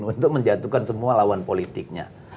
untuk menjatuhkan semua lawan politiknya